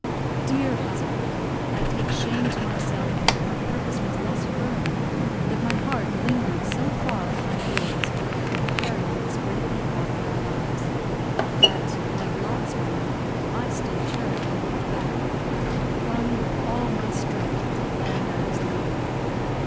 Dear husband! I take shame to myself that my purpose was less firm, that my heart lingered so far behind yours in preparing for this great epoch in our lives; that, like Lot's wife, I still turned and looked back, and clung with all my strength to the land I was leaving.